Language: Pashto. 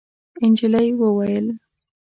نجلۍ وویل: